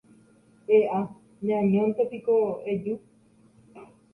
¡E'a! neañóntepiko eju.